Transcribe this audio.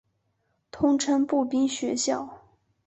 通称步兵学校。